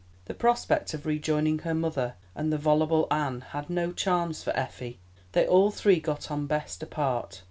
The prospect of rejoining her mother and the voluble Anne had no charms for Effie. They all three got on best apart.